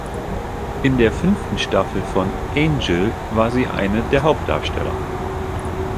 In der fünften Staffel von "Angel" war sie eine der Hauptdarsteller.